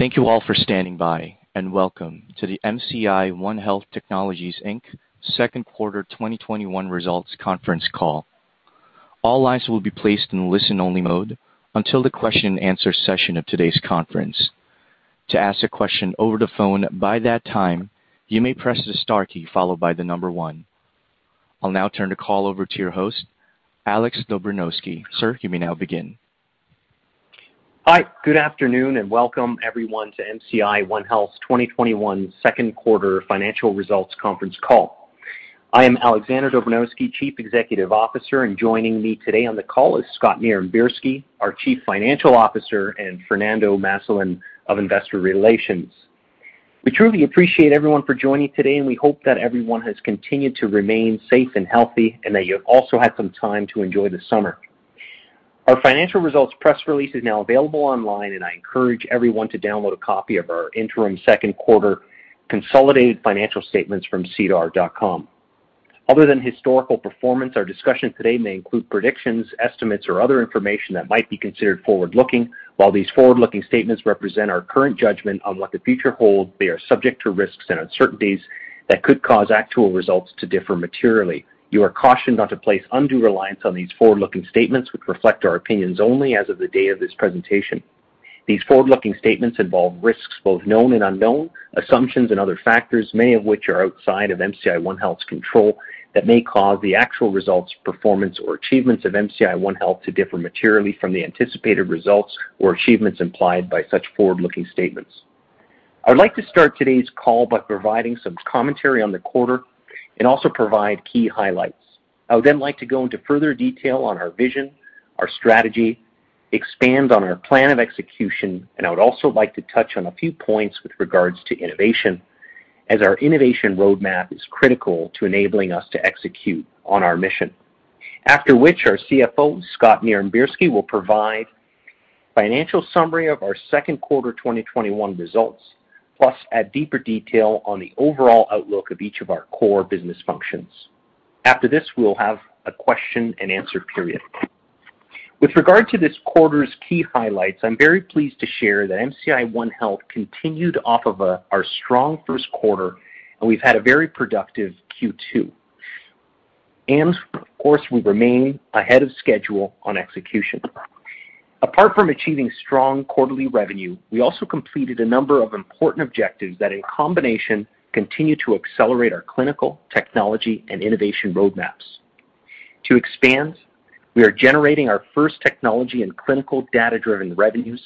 Thank you all for standing by, and welcome to the MCI OneHealth Technologies Inc. second quarter 2021 results conference call. All lines will be placed in listen-only mode until the question and answer session of today's conference. To ask a question over the phone by that time, you may press the star key followed by the number one. I'll now turn the call over to your host, Alexander Dobranowski. Sir, you may now begin. Hi. Good afternoon, and welcome everyone to MCI OneHealth 2021 second quarter financial results conference call. I am Alexander Dobranowski, Chief Executive Officer, and joining me today on the call is Scott Nirenberski, our Chief Financial Officer, and Fernando Massillon of Investor Relations. We truly appreciate everyone for joining today, and we hope that everyone has continued to remain safe and healthy, and that you have also had some time to enjoy the summer. Our financial results press release is now available online, and I encourage everyone to download a copy of our interim second quarter consolidated financial statements from sedar.com. Other than historical performance, our discussion today may include predictions, estimates, or other information that might be considered forward-looking. While these forward-looking statements represent our current judgment on what the future holds, they are subject to risks and uncertainties that could cause actual results to differ materially. You are cautioned not to place undue reliance on these forward-looking statements which reflect our opinions only as of the day of this presentation. These forward-looking statements involve risks, both known and unknown, assumptions and other factors, many of which are outside of MCI OneHealth's control, that may cause the actual results, performance, or achievements of MCI OneHealth to differ materially from the anticipated results or achievements implied by such forward-looking statements. I would like to start today's call by providing some commentary on the quarter and also provide key highlights. I would then like to go into further detail on our vision, our strategy, expand on our plan of execution, and I would also like to touch on a few points with regards to innovation, as our innovation roadmap is critical to enabling us to execute on our mission. After which, our CFO, Scott Nirenberski, will provide financial summary of our second quarter 2021 results, plus add deeper detail on the overall outlook of each of our core business functions. After this, we will have a question and answer period. With regard to this quarter's key highlights, I'm very pleased to share that MCI OneHealth continued off of our strong first quarter, and we've had a very productive Q2. Of course, we remain ahead of schedule on execution. Apart from achieving strong quarterly revenue, we also completed a number of important objectives that, in combination, continue to accelerate our clinical, technology, and innovation roadmaps. To expand, we are generating our first technology in clinical data-driven revenues,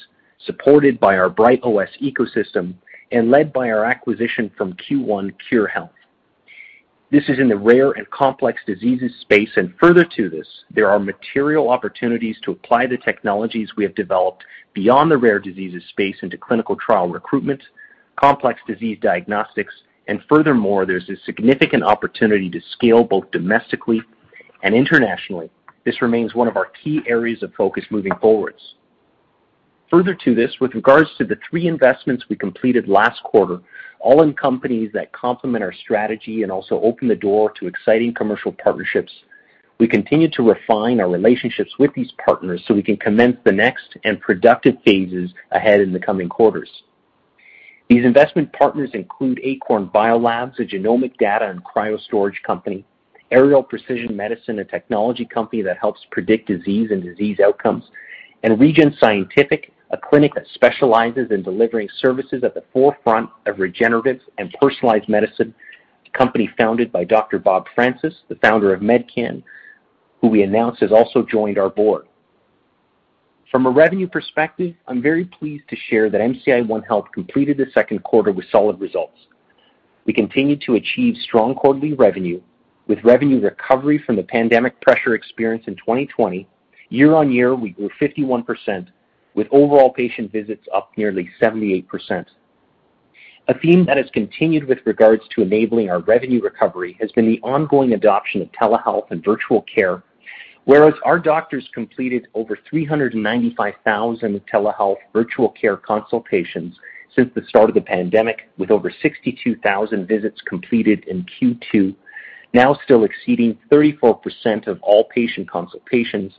supported by our BrightOS ecosystem and led by our acquisition from Q1 Khure Health. This is in the rare and complex diseases space, and further to this, there are material opportunities to apply the technologies we have developed beyond the rare diseases space into clinical trial recruitment, complex disease diagnostics, and furthermore, there's a significant opportunity to scale both domestically and internationally. This remains one of our key areas of focus moving forward. Further to this, with regards to the three investments we completed last quarter, all in companies that complement our strategy and also open the door to exciting commercial partnerships. We continue to refine our relationships with these partners so we can commence the next and productive phases ahead in the coming quarters. These investment partners include Acorn Biolabs, a genomic data and cryostorage company, Ariel Precision Medicine, a technology company that helps predict disease and disease outcomes, and ReGen Scientific, a clinic that specializes in delivering services at the forefront of regenerative and personalized medicine, a company founded by Dr. Robert Francis, the founder of Medcan, who we announced has also joined our board. From a revenue perspective, I'm very pleased to share that MCI OneHealth completed the second quarter with solid results. We continue to achieve strong quarterly revenue, with revenue recovery from the pandemic pressure experienced in 2020. Year on year, we grew 51%, with overall patient visits up nearly 78%. A theme that has continued with regards to enabling our revenue recovery has been the ongoing adoption of telehealth and virtual care. Whereas our doctors completed over 395,000 telehealth virtual care consultations since the start of the pandemic, with over 62,000 visits completed in Q2, now still exceeding 34% of all patient consultations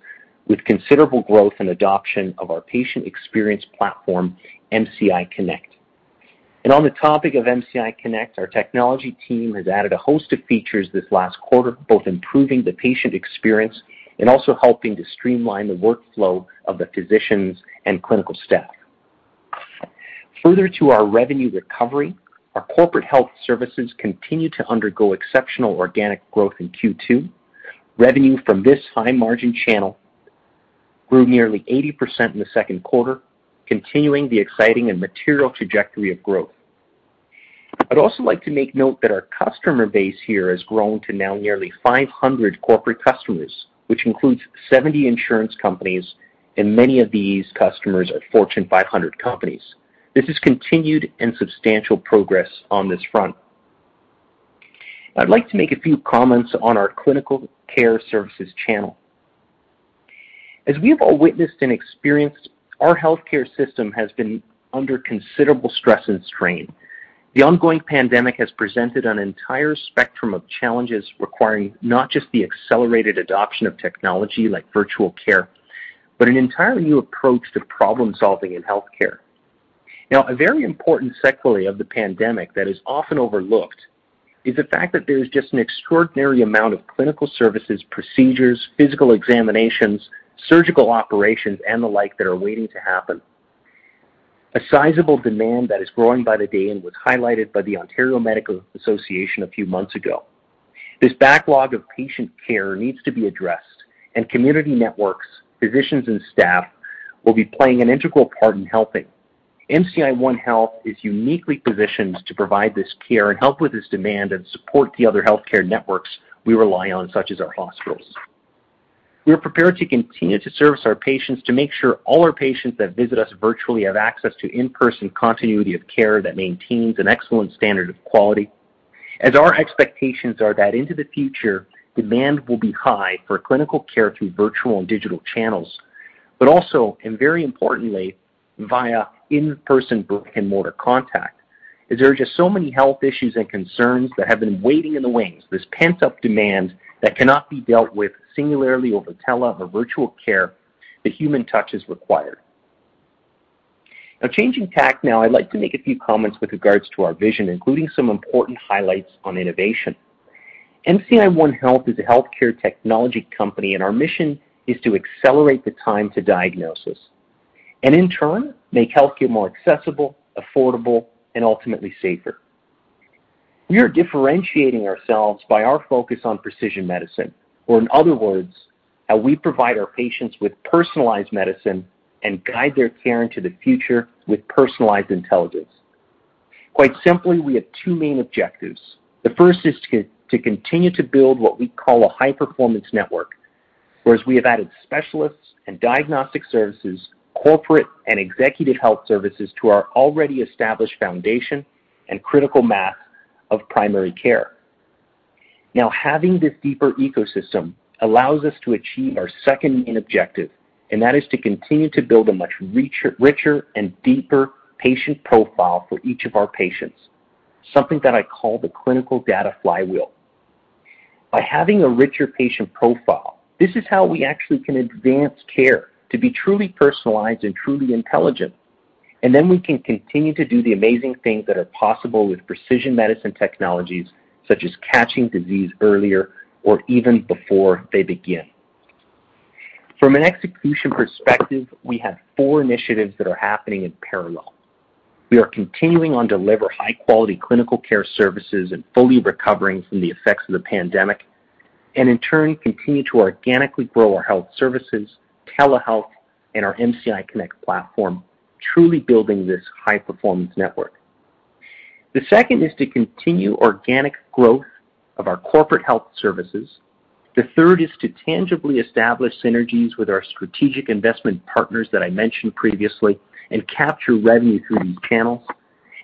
with considerable growth and adoption of our patient experience platform, MCI Connect. On the topic of MCI Connect, our technology team has added a host of features this last quarter, both improving the patient experience and also helping to streamline the workflow of the physicians and clinical staff. Further to our revenue recovery, our corporate health services continue to undergo exceptional organic growth in Q2. Revenue from this high margin channel grew nearly 80% in the second quarter, continuing the exciting and material trajectory of growth. I'd also like to make note that our customer base here has grown to now nearly 500 corporate customers, which includes 70 insurance companies. Many of these customers are Fortune 500 companies. This is continued and substantial progress on this front. I'd like to make a few comments on our clinical care services channel. As we have all witnessed and experienced, our healthcare system has been under considerable stress and strain. The ongoing pandemic has presented an entire spectrum of challenges requiring not just the accelerated adoption of technology like virtual care, but an entirely new approach to problem-solving in healthcare. A very important sequelae of the pandemic that is often overlooked is the fact that there is just an extraordinary amount of clinical services, procedures, physical examinations, surgical operations, and the like that are waiting to happen. A sizable demand that is growing by the day and was highlighted by the Ontario Medical Association a few months ago. This backlog of patient care needs to be addressed, and community networks, physicians, and staff will be playing an integral part in helping. MCI OneHealth is uniquely positioned to provide this care and help with this demand and support the other healthcare networks we rely on, such as our hospitals. We are prepared to continue to service our patients to make sure all our patients that visit us virtually have access to in-person continuity of care that maintains an excellent standard of quality, as our expectations are that into the future, demand will be high for clinical care through virtual and digital channels. Also, and very importantly, via in-person brick and mortar contact, as there are just so many health issues and concerns that have been waiting in the wings. This pent-up demand that cannot be dealt with singularly over telehealth or virtual care. The human touch is required. Changing tact, I'd like to make a few comments with regards to our vision, including some important highlights on innovation. MCI OneHealth is a healthcare technology company, our mission is to accelerate the time to diagnosis and in turn, make healthcare more accessible, affordable and ultimately safer. We are differentiating ourselves by our focus on precision medicine, or in other words, how we provide our patients with personalized medicine and guide their care into the future with personalized intelligence. Quite simply, we have two main objectives. The first is to continue to build what we call a high-performance network, whereas we have added specialists and diagnostic services, corporate and executive health services to our already established foundation and critical mass of primary care. Now, having this deeper ecosystem allows us to achieve our second main objective, that is to continue to build a much richer and deeper patient profile for each of our patients. Something that I call the clinical data flywheel. By having a richer patient profile, this is how we actually can advance care to be truly personalized and truly intelligent. We can continue to do the amazing things that are possible with precision medicine technologies such as catching disease earlier or even before they begin. From an execution perspective, we have four initiatives that are happening in parallel. We are continuing to deliver high quality clinical care services and fully recovering from the effects of the pandemic, and in turn, continue to organically grow our health services, telehealth and our MCI Connect platform, truly building this high performance network. The second is to continue organic growth of our corporate health services. The third is to tangibly establish synergies with our strategic investment partners that I mentioned previously and capture revenue through these channels.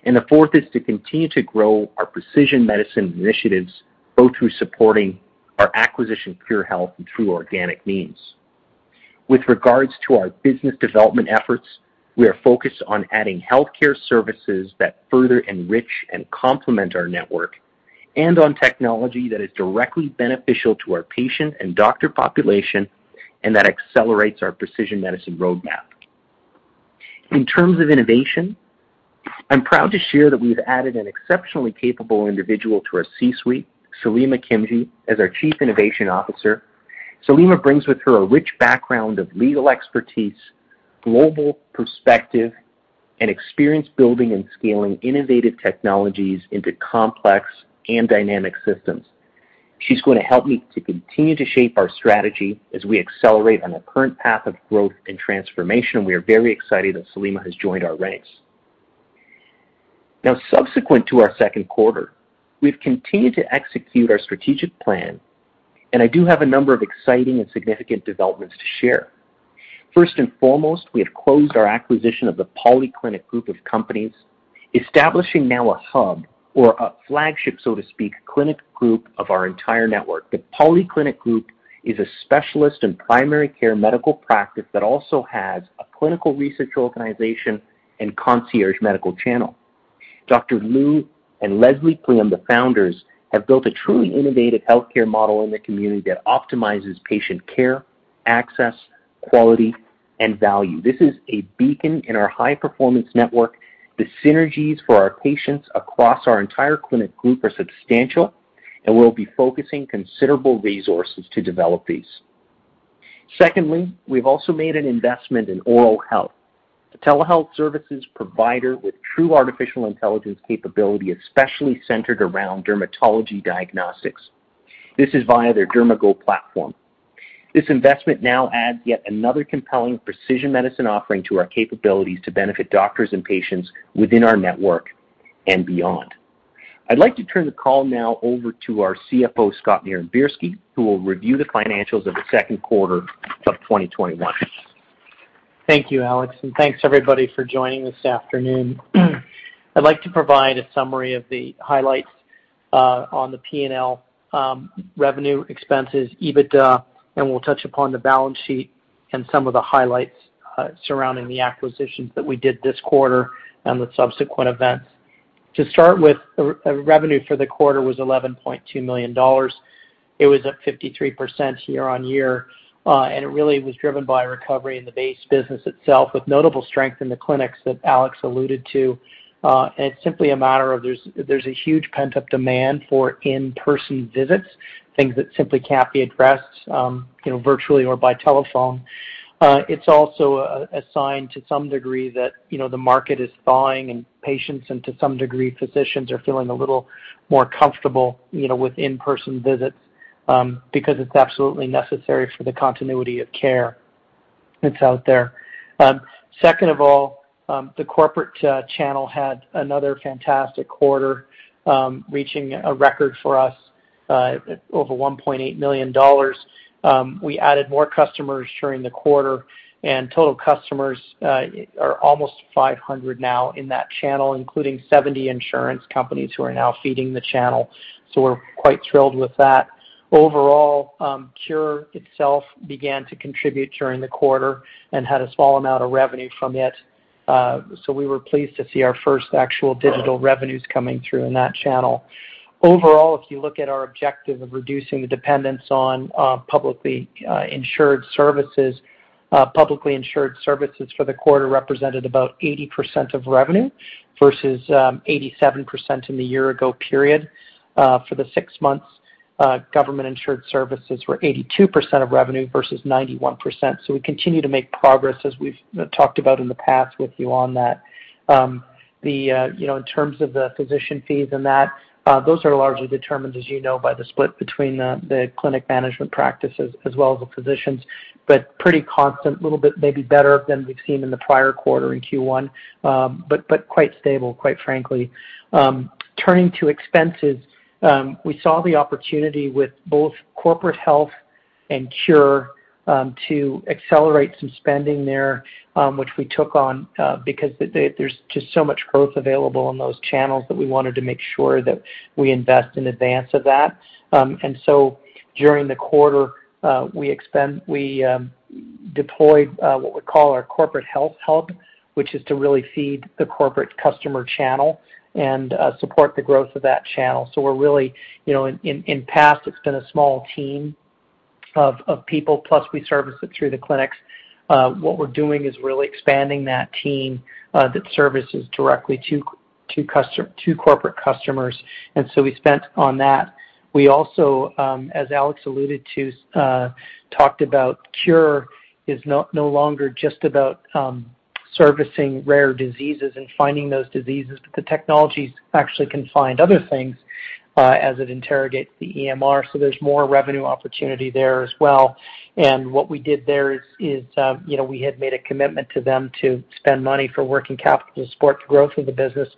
The fourth is to continue to grow our precision medicine initiatives, both through supporting our acquisition, Khure Health, and through organic means. With regards to our business development efforts, we are focused on adding healthcare services that further enrich and complement our network and on technology that is directly beneficial to our patient and doctor population, and that accelerates our precision medicine roadmap. In terms of innovation, I'm proud to share that we've added an exceptionally capable individual to our C-suite, Saleema Khimji, as our chief innovation officer. Saleema brings with her a rich background of legal expertise, global perspective, and experience building and scaling innovative technologies into complex and dynamic systems. She's going to help me to continue to shape our strategy as we accelerate on our current path of growth and transformation. We are very excited that Saleema has joined our ranks. Subsequent to our second quarter, we've continued to execute our strategic plan, I do have a number of exciting and significant developments to share. First and foremost, we have closed our acquisition of the Polyclinic Group of companies, establishing now a hub or a flagship, so to speak, clinic group of our entire network. The Polyclinic Group is a specialist in primary care medical practice that also has a clinical research organization and concierge medical channel. Dr. Lou and Leslie Pliam, the founders, have built a truly innovative healthcare model in the community that optimizes patient care, access, quality, and value. This is a beacon in our high performance network. The synergies for our patients across our entire clinic group are substantial and we'll be focusing considerable resources to develop these. Secondly, we've also made an investment in Oro Health, a telehealth services provider with true artificial intelligence capability, especially centered around dermatology diagnostics. This is via their DermaGo platform. This investment now adds yet another compelling precision medicine offering to our capabilities to benefit doctors and patients within our network and beyond. I'd like to turn the call now over to our CFO, Scott Nirenberski, who will review the financials of the second quarter of 2021. Thank you, Alex, and thanks everybody for joining this afternoon. I'd like to provide a summary of the highlights on the P&L revenue expenses, EBITDA. We'll touch upon the balance sheet and some of the highlights surrounding the acquisitions that we did this quarter and the subsequent events. To start with, revenue for the quarter was 11.2 million dollars. It was up 53% year-over-year. It really was driven by recovery in the base business itself with notable strength in the clinics that Alex alluded to. It's simply a matter of there's a huge pent-up demand for in-person visits, things that simply can't be addressed virtually or by telephone. It's also a sign to some degree that the market is thawing and patients, and to some degree, physicians are feeling a little more comfortable with in-person visits because it's absolutely necessary for the continuity of care that's out there. Second of all, the corporate channel had another fantastic quarter, reaching a record for us of over 1.8 million dollars. We added more customers during the quarter, and total customers are almost 500 now in that channel, including 70 insurance companies who are now feeding the channel. We're quite thrilled with that. Overall, Khure Health itself began to contribute during the quarter and had a small amount of revenue from it. We were pleased to see our first actual digital revenues coming through in that channel. Overall, if you look at our objective of reducing the dependence on publicly insured services for the quarter represented about 80% of revenue versus 87% in the year ago period. For the six months, government insured services were 82% of revenue versus 91%. We continue to make progress, as we've talked about in the past with you on that. In terms of the physician fees and that, those are largely determined, as you know, by the split between the clinic management practices as well as the physicians, but pretty constant, a little bit maybe better than we've seen in the prior quarter in Q1, but quite stable, quite frankly. Turning to expenses, we saw the opportunity with both corporate health and Khure to accelerate some spending there, which we took on because there's just so much growth available in those channels that we wanted to make sure that we invest in advance of that. During the quarter, we deployed what we call our Corporate Health Hub, which is to really feed the corporate customer channel and support the growth of that channel. In the past, it's been a small team of people, plus we service it through the clinics. What we're doing is really expanding that team that services directly to corporate customers and so we spent on that. We also as Alexander Dobranowski alluded to talked about Khure Health is no longer just about servicing rare diseases and finding those diseases, but the technologies actually can find other things as it interrogates the EMR. There's more revenue opportunity there as well. What we did there is we had made a commitment to them to spend money for working capital to support the growth of the business.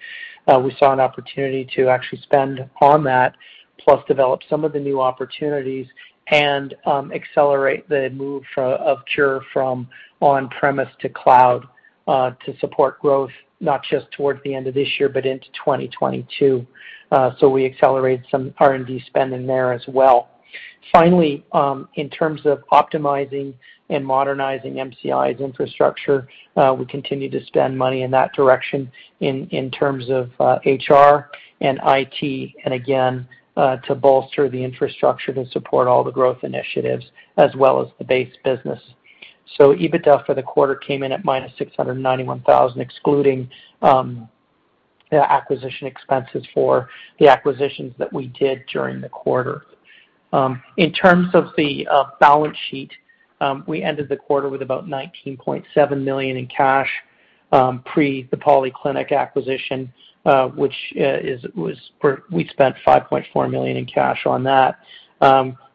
We saw an opportunity to actually spend on that, plus develop some of the new opportunities and accelerate the move of Khure Health from on-premise to cloud to support growth, not just towards the end of this year, but into 2022. We accelerated some R&D spending there as well. Finally, in terms of optimizing and modernizing MCI's infrastructure, we continue to spend money in that direction in terms of HR and IT, and again to bolster the infrastructure to support all the growth initiatives as well as the base business. EBITDA for the quarter came in at minus 691,000, excluding acquisition expenses for the acquisitions that we did during the quarter. In terms of the balance sheet, we ended the quarter with about 19.7 million in cash pre the Polyclinic acquisition which we spent 5.4 million in cash on that.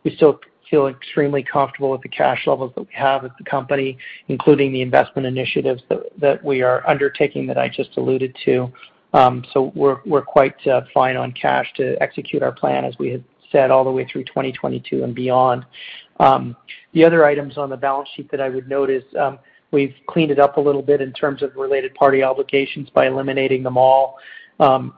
We still feel extremely comfortable with the cash levels that we have at the company, including the investment initiatives that we are undertaking that I just alluded to. We're quite fine on cash to execute our plan, as we had said, all the way through 2022 and beyond. The other items on the balance sheet that I would note is we've cleaned it up a little bit in terms of related party obligations by eliminating them all.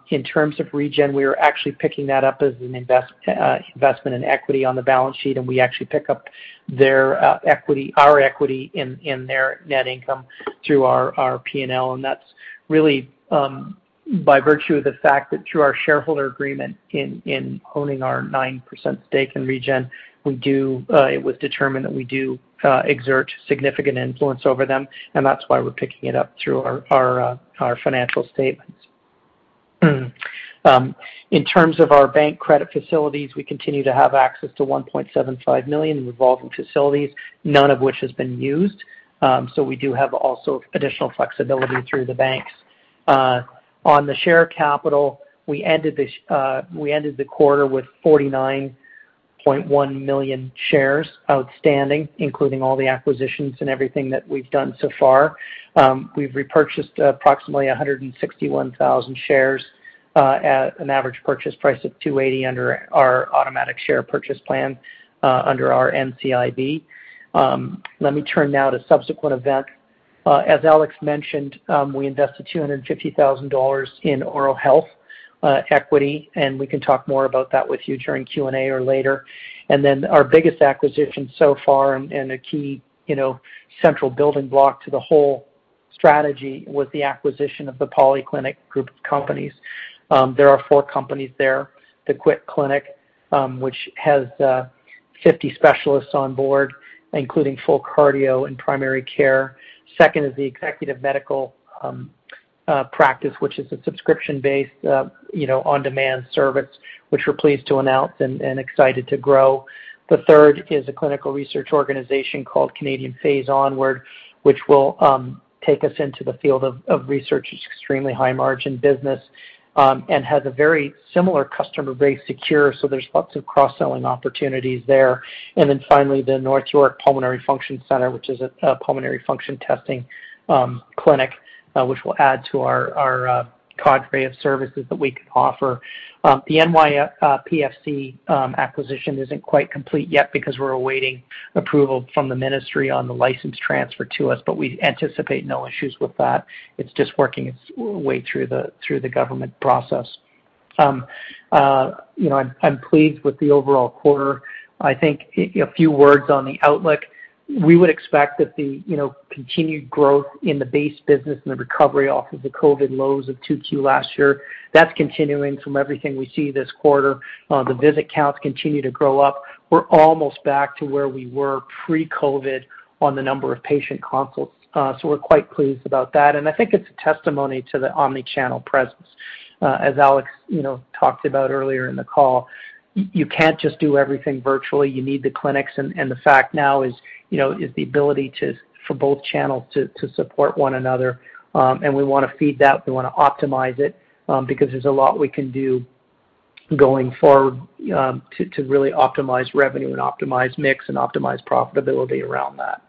In terms of ReGen, we are actually picking that up as an investment in equity on the balance sheet, and we actually pick up our equity in their net income through our P&L, and that's really by virtue of the fact that through our shareholder agreement in owning our 9% stake in ReGen, it was determined that we do exert significant influence over them, and that's why we're picking it up through our financial statements. In terms of our bank credit facilities, we continue to have access to 1.75 million in revolving facilities, none of which has been used. We do have also additional flexibility through the banks. On the share capital, we ended the quarter with 49.1 million shares outstanding, including all the acquisitions and everything that we've done so far. We've repurchased approximately 161,000 shares at an average purchase price of 280 under our automatic share purchase plan under our NCIB. Let me turn now to subsequent events. As Alex mentioned, we invested 250,000 dollars in Oro Health equity, and we can talk more about that with you during Q&A or later. Then our biggest acquisition so far and a key central building block to the whole strategy was the acquisition of The Polyclinic Group of companies. There are four companies there. The Quit Clinic, which has 50 specialists on board, including full cardio and primary care. Second is the Executive Medical Practice, which is a subscription-based, on-demand service, which we're pleased to announce and excited to grow. The third is a clinical research organization called Canadian Phase Onward, which will take us into the field of research. It's extremely high margin business and has a very similar customer base to Khure, there's lots of cross-selling opportunities there. Finally, the North York Pulmonary Function Center, which is a pulmonary function testing clinic, which will add to our cadre of services that we can offer. The NYPFC acquisition isn't quite complete yet because we're awaiting approval from the ministry on the license transfer to us, we anticipate no issues with that. It's just working its way through the government process. I'm pleased with the overall quarter. I think a few words on the outlook. We would expect that the continued growth in the base business and the recovery off of the COVID lows of 2Q last year, that's continuing from everything we see this quarter. The visit counts continue to grow up. We're almost back to where we were pre-COVID on the number of patient consults. We're quite pleased about that, and I think it's a testimony to the omni-channel presence. As Alex talked about earlier in the call, you can't just do everything virtually. You need the clinics, the fact now is the ability for both channels to support one another. We want to feed that. We want to optimize it, because there's a lot we can do going forward to really optimize revenue and optimize mix and optimize profitability around that.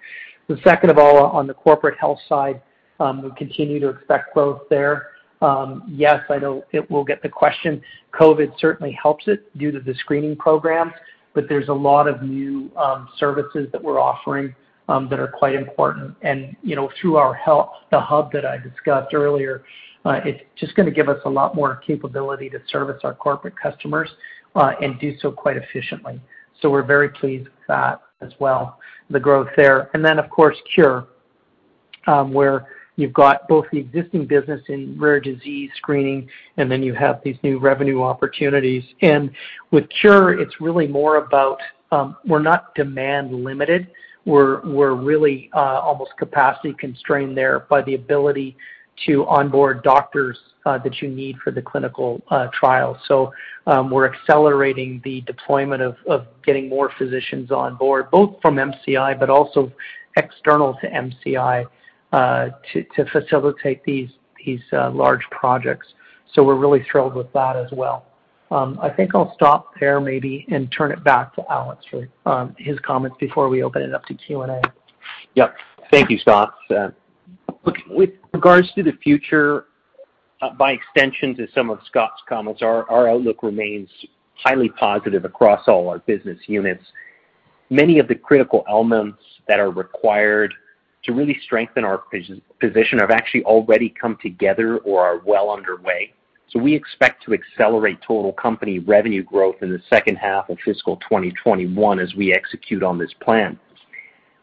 The second of all, on the corporate health side, we continue to expect growth there. Yes, I know we'll get the question. COVID certainly helps it due to the screening programs, there's a lot of new services that we're offering that are quite important. Through the hub that I discussed earlier, it's just going to give us a lot more capability to service our corporate customers and do so quite efficiently. We're very pleased with that as well, the growth there. Then, of course, Khure, where you've got both the existing business in rare disease screening, and then you have these new revenue opportunities. With Khure, it's really more about, we're not demand limited. We're really almost capacity constrained there by the ability to onboard doctors that you need for the clinical trials. We're accelerating the deployment of getting more physicians on board, both from MCI, but also external to MCI, to facilitate these large projects. We're really thrilled with that as well. I think I'll stop there maybe and turn it back to Alex for his comments before we open it up to Q&A. Yep. Thank you, Scott. Look, with regards to the future, by extension to some of Scott's comments, our outlook remains highly positive across all our business units. Many of the critical elements that are required to really strengthen our position have actually already come together or are well underway. We expect to accelerate total company revenue growth in the second half of fiscal 2021 as we execute on this plan.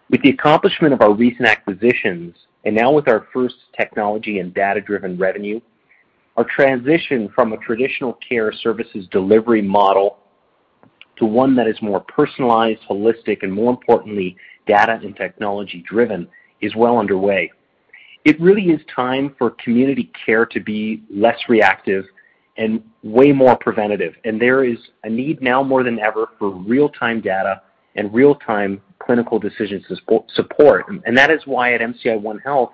With the accomplishment of our recent acquisitions, and now with our first technology and data-driven revenue, our transition from a traditional care services delivery model to one that is more personalized, holistic, and more importantly, data and technology driven, is well underway. It really is time for community care to be less reactive and way more preventative. There is a need now more than ever for real-time data and real-time clinical decision support. That is why at MCI OneHealth,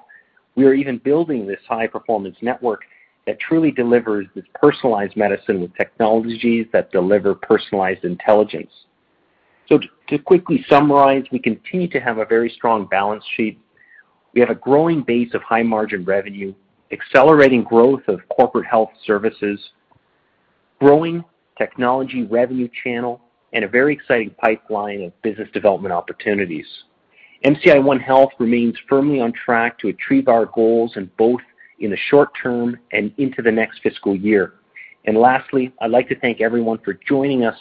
we are even building this high performance network that truly delivers this personalized medicine with technologies that deliver personalized intelligence. To quickly summarize, we continue to have a very strong balance sheet. We have a growing base of high margin revenue, accelerating growth of corporate health services, growing technology revenue channel, and a very exciting pipeline of business development opportunities. MCI OneHealth remains firmly on track to achieve our goals in both in the short term and into the next fiscal year. Lastly, I'd like to thank everyone for joining us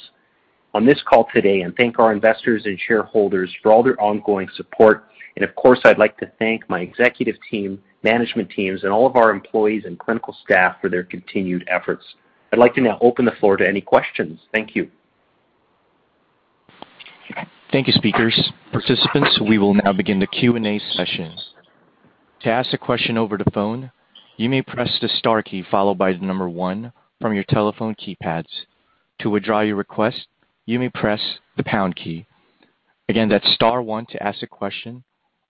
on this call today and thank our investors and shareholders for all their ongoing support. Of course, I'd like to thank my executive team, management teams, and all of our employees and clinical staff for their continued efforts. I'd like to now open the floor to any questions. Thank you. Thank you, speakers. Participants, we will now begin the Q&A session. To ask a question over the phone, you may press the star key followed by the 1 from your telephone keypads. To withdraw your request, you may press the pound key. Again, that's star 1 to ask a question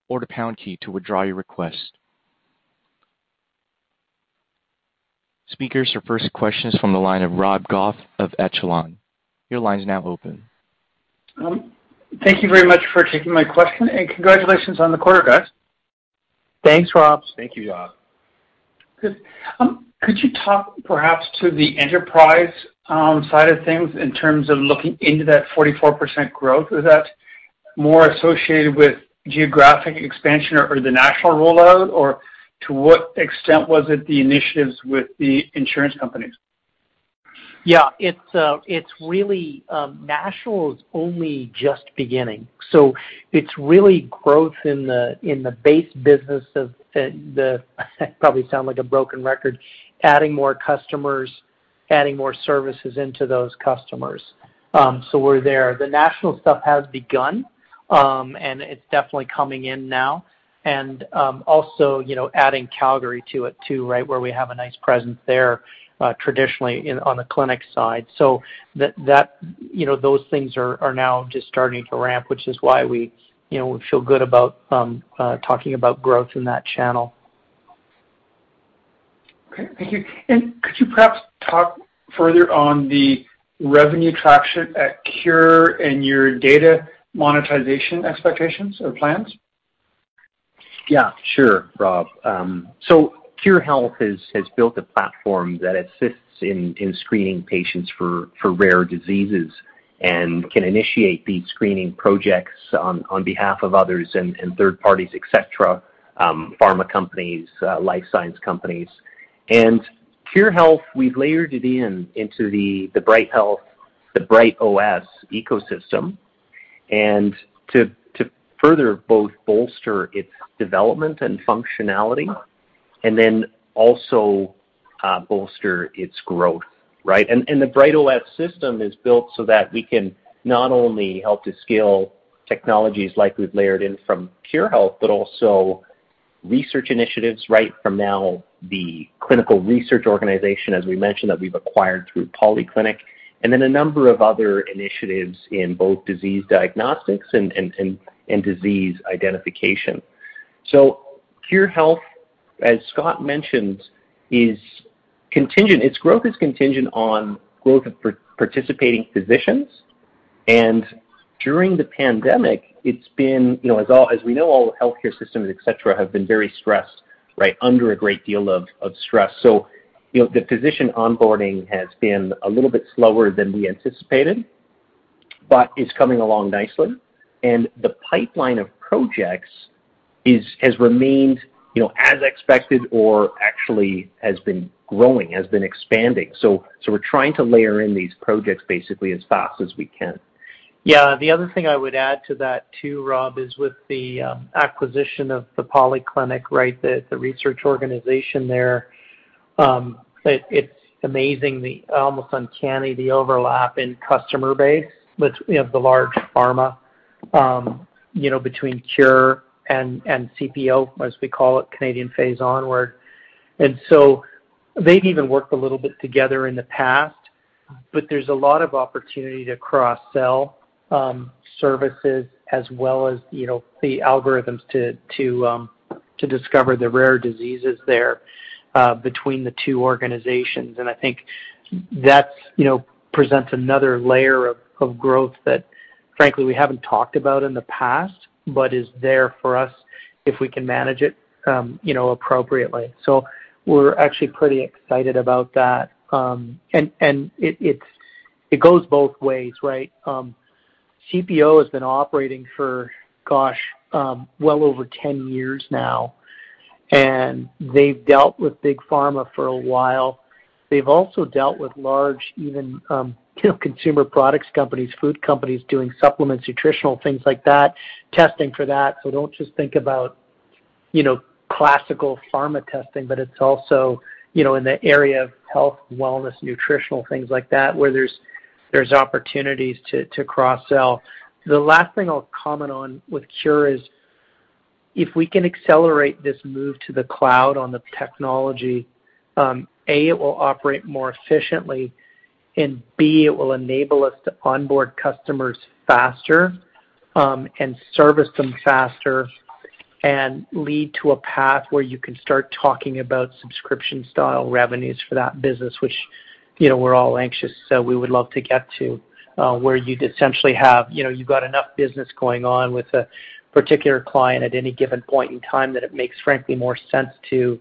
or the pound key to withdraw your request. Speakers, your first question is from the line of Rob Goff of Echelon. Your line is now open. Thank you very much for taking my question, and congratulations on the quarter, guys. Thanks, Rob. Thank you, Rob. Good. Could you talk perhaps to the enterprise side of things in terms of looking into that 44% growth? Is that more associated with geographic expansion or the national rollout, or to what extent was it the initiatives with the insurance companies? National is only just beginning. It's really growth in the base business of the, I probably sound like a broken record, adding more customers, adding more services into those customers. We're there. The national stuff has begun, and it's definitely coming in now. Also adding Calgary to it too, right, where we have a nice presence there traditionally on the clinic side. Those things are now just starting to ramp, which is why we feel good about talking about growth in that channel. Okay. Thank you. Could you perhaps talk further on the revenue traction at Khure and your data monetization expectations or plans? Yeah, sure, Rob. Khure Health has built a platform that assists in screening patients for rare diseases and can initiate these screening projects on behalf of others and third parties, et cetera, pharma companies, life science companies. Khure Health, we've layered it into the BrightOS ecosystem and to further both bolster its development and functionality and then also bolster its growth, right? The BrightOS system is built so that we can not only help to scale technologies like we've layered in from Khure Health, but also research initiatives right from now the clinical research organization, as we mentioned, that we've acquired through Polyclinic, and then a number of other initiatives in both disease diagnostics and disease identification. Khure Health, as Scott mentioned, its growth is contingent on growth of participating physicians, and during the pandemic, as we know, all healthcare systems, et cetera, have been very stressed, right, under a great deal of stress. The physician onboarding has been a little bit slower than we anticipated, but it's coming along nicely and the pipeline of projects has remained as expected or actually has been growing, has been expanding. We're trying to layer in these projects basically as fast as we can. Yeah. The other thing I would add to that too, Rob, is with the acquisition of the Polyclinic, right, the research organization there. It's amazing, almost uncanny, the overlap in customer base with the large pharma between Khure and CPO, as we call it, Canadian Phase Onward. They've even worked a little bit together in the past, but there's a lot of opportunity to cross-sell services as well as the algorithms to discover the rare diseases there between the two organizations. I think that presents another layer of growth that frankly we haven't talked about in the past, but is there for us if we can manage it appropriately. We're actually pretty excited about that. It goes both ways, right? CPO has been operating for, gosh, well over 10 years now, and they've dealt with big pharma for a while. They've also dealt with large even consumer products companies, food companies doing supplements, nutritional things like that, testing for that. Don't just think about classical pharma testing, but it's also in the area of health, wellness, nutritional things like that where there's opportunities to cross-sell. The last thing I'll comment on with Khure is if we can accelerate this move to the cloud on the technology, A, it will operate more efficiently, and B, it will enable us to onboard customers faster and service them faster and lead to a path where you can start talking about subscription-style revenues for that business, which we're all anxious. We would love to get to where you'd essentially have enough business going on with a particular client at any given point in time that it makes frankly more sense to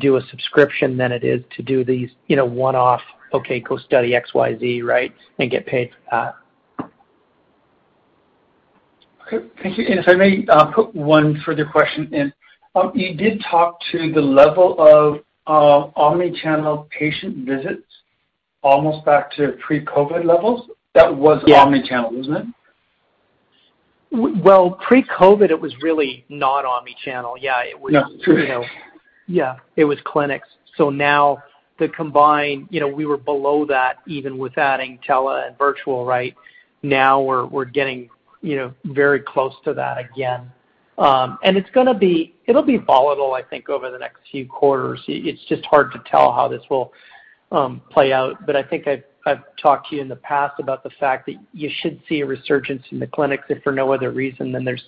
do a subscription than it is to do these one-off, okay, go study XYZ, right, and get paid for that. Okay. Thank you. If I may put one further question in. You did talk to the level of omni-channel patient visits almost back to pre-COVID levels. Yeah omnichannel, wasn't it? Well, pre-COVID, it was really not omni-channel. Yeah. Yeah. Yeah. It was clinics. Now the combined, we were below that even with adding tele and virtual, right? Now we're getting very close to that again. It'll be volatile, I think, over the next few quarters. It's just hard to tell how this will play out. I think I've talked to you in the past about the fact that you should see a resurgence in the clinics if for no other reason than there's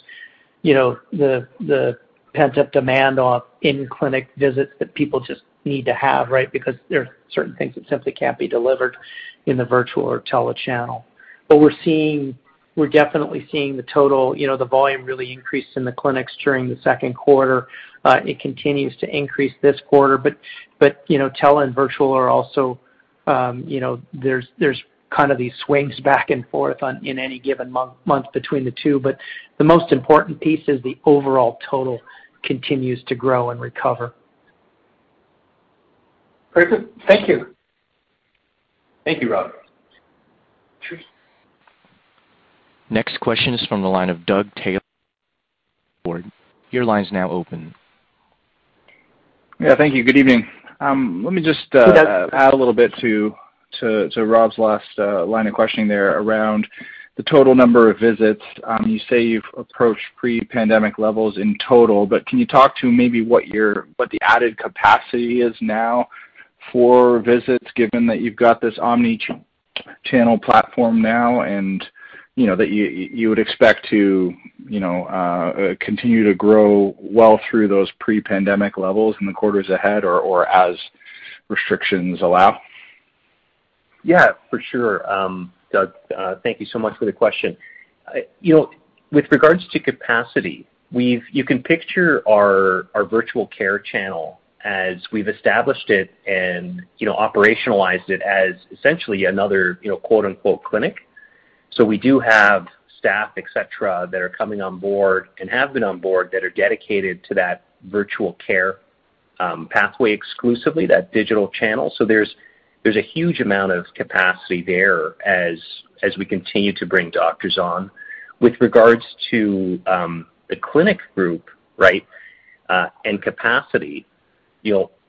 the pent-up demand of in-clinic visits that people just need to have, right? There's certain things that simply can't be delivered in the virtual or telechannel. We're definitely seeing the total, the volume really increased in the clinics during the second quarter. It continues to increase this quarter, but tele and virtual, there's these swings back and forth in any given month between the two. The most important piece is the overall total continues to grow and recover. Perfect. Thank you. Thank you, Rob. Sure. Next question is from the line of Doug Taylor, board. Your line's now open. Yeah. Thank you. Good evening. Hey, Doug. Add a little bit to Rob's last line of questioning there around the total number of visits. You say you've approached pre-pandemic levels in total, but can you talk to maybe what the added capacity is now for visits, given that you've got this omni-channel platform now and that you would expect to continue to grow well through those pre-pandemic levels in the quarters ahead or as restrictions allow? Yeah, for sure. Doug, thank you so much for the question. With regards to capacity, you can picture our virtual care channel as we've established it and operationalized it as essentially another "clinic." We do have staff, et cetera, that are coming on board and have been on board that are dedicated to that virtual care pathway exclusively, that digital channel. There's a huge amount of capacity there as we continue to bring doctors on. With regards to the clinic group and capacity,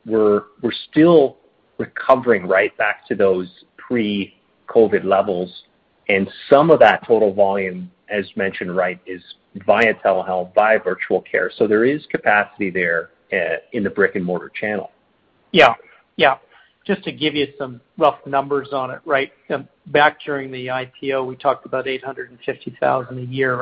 we're still recovering right back to those pre-COVID levels and some of that total volume, as mentioned, is via telehealth, via virtual care. There is capacity there in the brick-and-mortar channel. Yeah. Just to give you some rough numbers on it. Back during the IPO, we talked about 850,000 a year.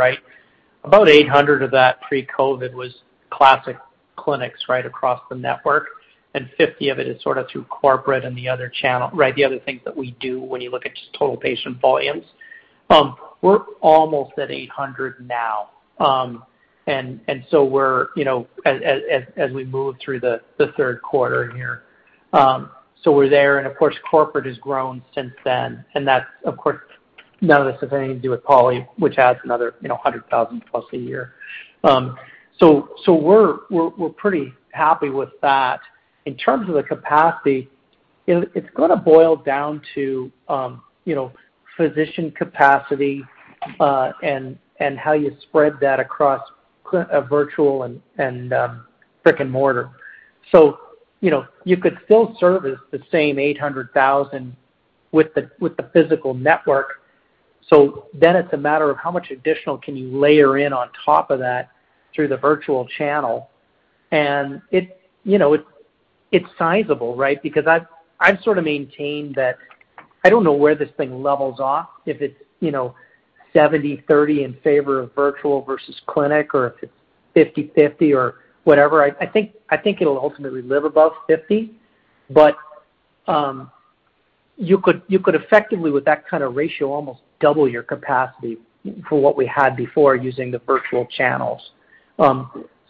About 800 of that pre-COVID was classic clinics across the network, and 50 of it is through corporate and the other things that we do when you look at just total patient volumes. We're almost at 800 now as we move through the third quarter here. We're there, and of course, corporate has grown since then, and that's of course, none of this has anything to do with Polyclinic, which adds another 100,000+ a year. We're pretty happy with that. In terms of the capacity, it's going to boil down to physician capacity, and how you spread that across virtual and brick-and-mortar. You could still service the same 800,000 with the physical network. It's a matter of how much additional can you layer in on top of that through the virtual channel, and it's sizable. I've maintained that I don't know where this thing levels off, if it's 70/30 in favor of virtual versus clinic, or if it's 50/50 or whatever. I think it'll ultimately live above 50, but you could effectively, with that kind of ratio, almost double your capacity for what we had before using the virtual channels.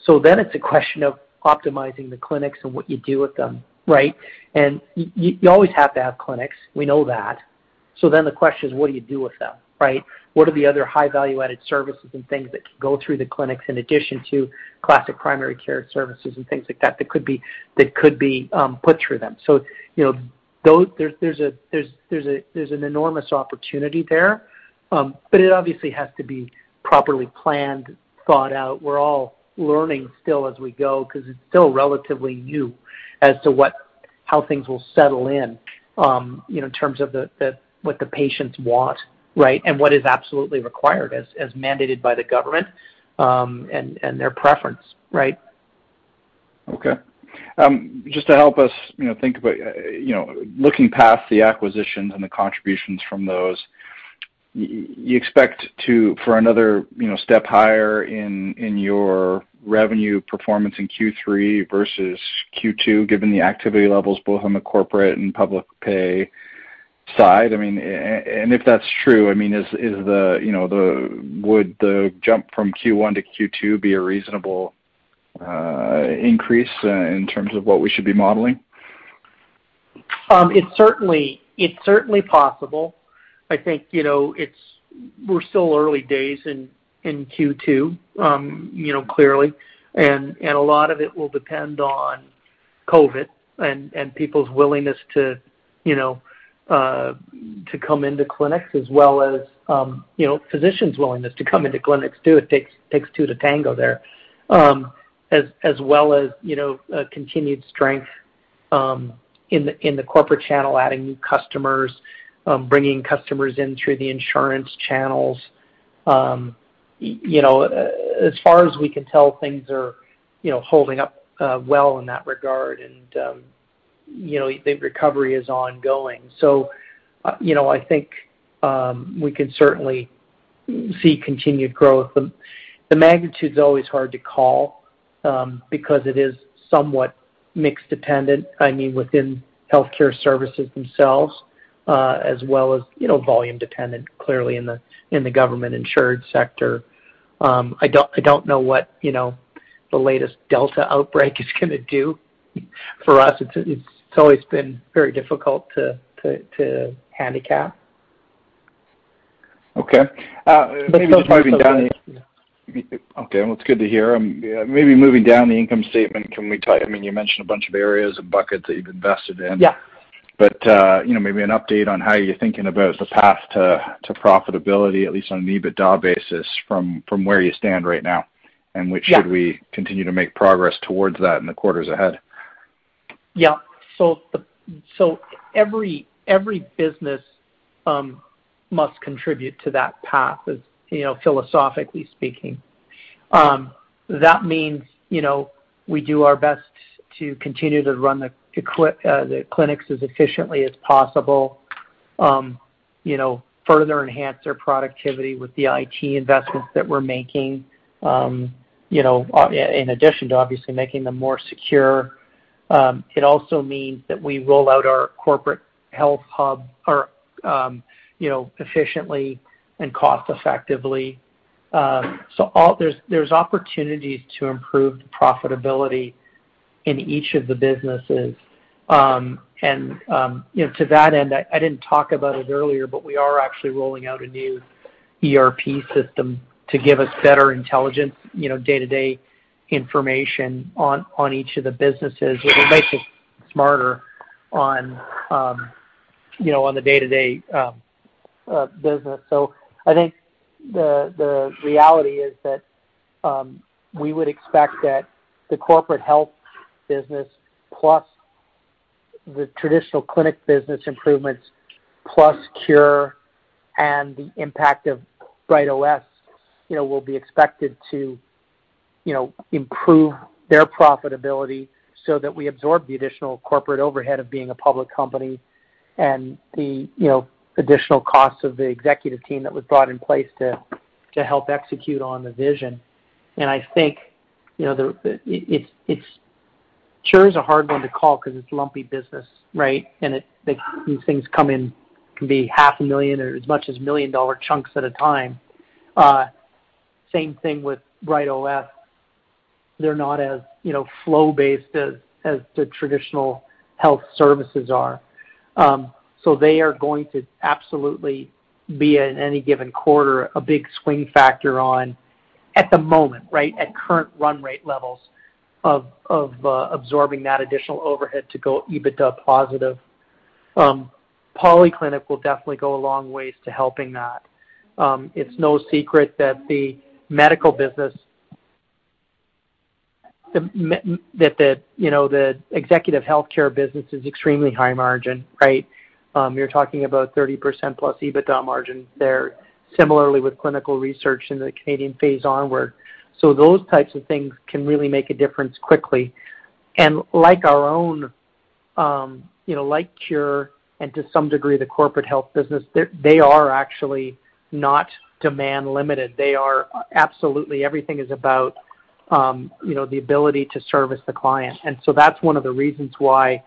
It's a question of optimizing the clinics and what you do with them. You always have to have clinics, we know that. The question is what do you do with them? What are the other high value-added services and things that can go through the clinics in addition to classic primary care services and things like that that could be put through them. There's an enormous opportunity there, but it obviously has to be properly planned, thought out. We're all learning still as we go because it's still relatively new as to how things will settle in terms of what the patients want, and what is absolutely required as mandated by the government, and their preference. Okay. Just to help us think about looking past the acquisitions and the contributions from those, you expect for another step higher in your revenue performance in Q3 versus Q2, given the activity levels both on the corporate and public pay side. If that's true, would the jump from Q1 to Q2 be a reasonable increase in terms of what we should be modeling? It's certainly possible. I think we're still early days in Q2, clearly, and a lot of it will depend on COVID and people's willingness to come into clinics as well as physicians' willingness to come into clinics, too. It takes two to tango there. As well as continued strength in the corporate channel, adding new customers, bringing customers in through the insurance channels. As far as we can tell, things are holding up well in that regard and the recovery is ongoing. I think we can certainly see continued growth. The magnitude's always hard to call because it is somewhat mix dependent, I mean, within healthcare services themselves as well as volume dependent, clearly in the government insured sector. I don't know what the latest Delta outbreak is going to do for us. It's always been very difficult to handicap. Okay. Still positive. Okay. Well, it's good to hear. Maybe moving down the income statement, you mentioned a bunch of areas of buckets that you've invested in. Yeah. Maybe an update on how you're thinking about the path to profitability, at least on an EBITDA basis from where you stand right now. Yeah Should we continue to make progress towards that in the quarters ahead? Yeah. Every business must contribute to that path, philosophically speaking. That means we do our best to continue to run the clinics as efficiently as possible. Further enhance their productivity with the IT investments that we're making, in addition to obviously making them more secure. It also means that we roll out our corporate health hub efficiently and cost effectively. There's opportunities to improve profitability in each of the businesses. To that end, I didn't talk about it earlier, but we are actually rolling out a new ERP system to give us better intelligence, day-to-day information on each of the businesses. It will make us smarter on the day-to-day business. I think the reality is that we would expect that the corporate health business, plus the traditional clinic business improvements, plus Khure Health, and the impact of BrightOS will be expected to improve their profitability so that we absorb the additional corporate overhead of being a public company and the additional cost of the executive team that was brought in place to help execute on the vision. I think Khure Health is a hard one to call because it's lumpy business, right? These things come in, can be half a million or as much as million dollar chunks at a time. Same thing with BrightOS. They're not as flow-based as the traditional health services are. They are going to absolutely be, in any given quarter, a big swing factor on, at the moment, right? At current run rate levels of absorbing that additional overhead to go EBITDA positive. Polyclinic will definitely go a long way to helping that. It's no secret that the executive healthcare business is extremely high margin, right? You're talking about 30%+ EBITDA margins there. Similarly with clinical research in the Canadian Phase Onward. Those types of things can really make a difference quickly. Like Khure, and to some degree, the corporate health business, they are actually not demand limited. Absolutely everything is about the ability to service the client. That's one of the reasons why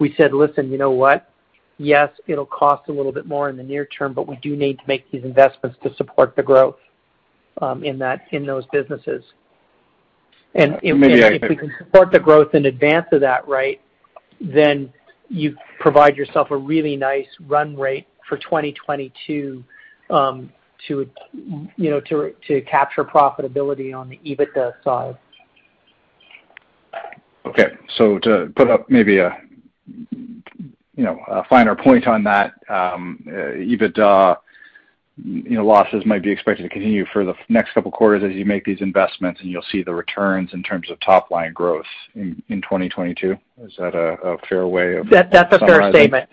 we said, "Listen, you know what? Yes, it'll cost a little bit more in the near term, but we do need to make these investments to support the growth in those businesses. Maybe I can- If we can support the growth in advance of that right, then you provide yourself a really nice run rate for 2022 to capture profitability on the EBITDA side. Okay. To put up maybe a finer point on that, EBITDA losses might be expected to continue for the next couple of quarters as you make these investments, and you'll see the returns in terms of top line growth in 2022. Is that a fair way of summarizing? That's a fair statement.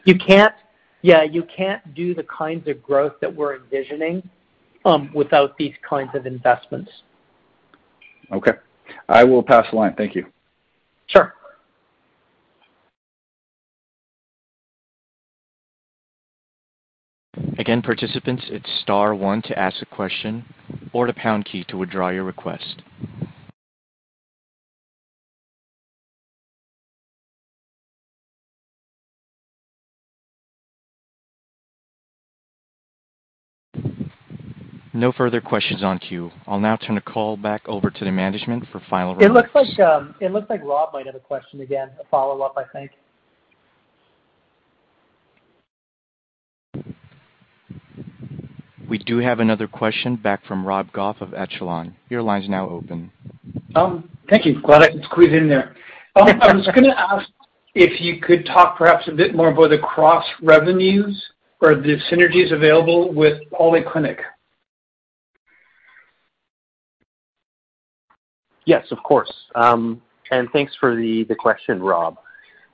Yeah, you can't do the kinds of growth that we're envisioning without these kinds of investments. Okay. I will pass the line. Thank you. Sure. Again, participants, it's star one to ask a question or the pound key to withdraw your request. No further questions on queue. I'll now turn the call back over to the management for final remarks. It looks like Rob might have a question again, a follow-up, I think. We do have another question back from Rob Goff of Echelon. Your line's now open. Thank you. Glad I could squeeze in there. I was going to ask if you could talk perhaps a bit more about the cross revenues or the synergies available with Polyclinic. Yes, of course. Thanks for the question, Rob.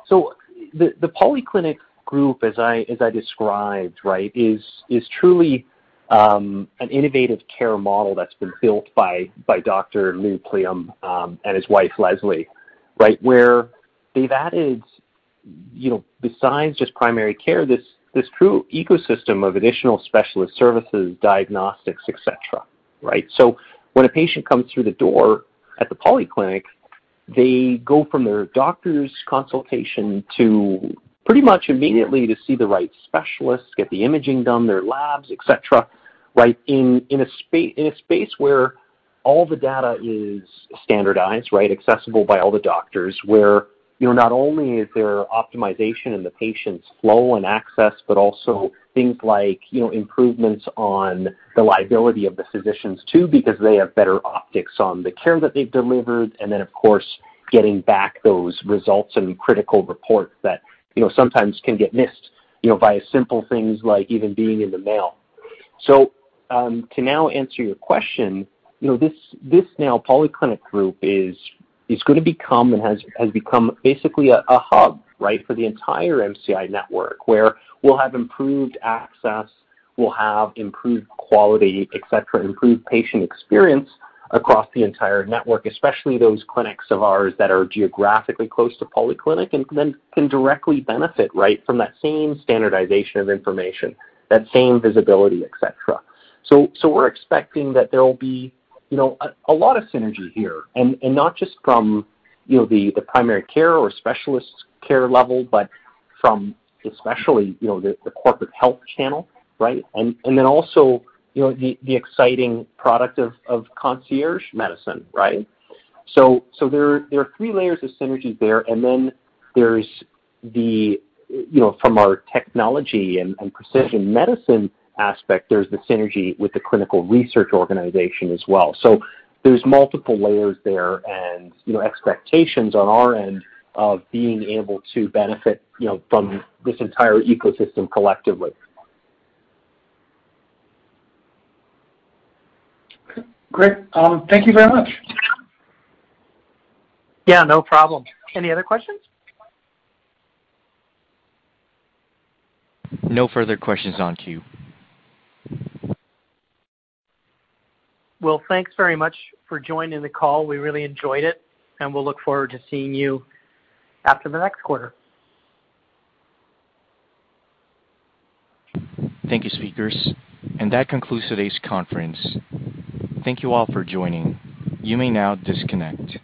The Polyclinic Group, as I described, is truly an innovative care model that's been built by Dr. Lou Pliam and his wife, Leslie. Where they've added, besides just primary care, this true ecosystem of additional specialist services, diagnostics, et cetera. Right? When a patient comes through the door at the Polyclinic, they go from their doctor's consultation to pretty much immediately to see the right specialists, get the imaging done, their labs, et cetera, in a space where all the data is standardized, accessible by all the doctors. Not only is there optimization in the patient's flow and access, but also things like improvements on the liability of the physicians, too, because they have better optics on the care that they've delivered. Then, of course, getting back those results and critical reports that sometimes can get missed via simple things like even being in the mail. To now answer your question, this now Polyclinic Group is going to become and has become basically a hub, right, for the entire MCI network, where we'll have improved access, we'll have improved quality, et cetera, improved patient experience across the entire network, especially those clinics of ours that are geographically close to Polyclinic and then can directly benefit, right, from that same standardization of information, that same visibility, et cetera. We're expecting that there will be a lot of synergy here. Not just from the primary care or specialist care level, but from especially the corporate health channel, right? Also the exciting product of concierge medicine, right? There are three layers of synergies there. From our technology and precision medicine aspect, there's the synergy with the clinical research organization as well. There's multiple layers there and expectations on our end of being able to benefit from this entire ecosystem collectively. Great. Thank you very much. Yeah, no problem. Any other questions? No further questions in queue. Well, thanks very much for joining the call. We really enjoyed it, and we'll look forward to seeing you after the next quarter. Thank you, speakers. That concludes today's conference. Thank you all for joining. You may now disconnect.